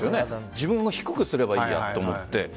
自分を低くすればいいやと思って。